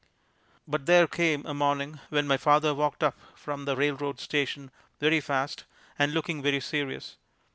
But there came a morning when my father walked up from the railroad station very fast, and looking very serious.